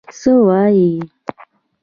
څه وايي.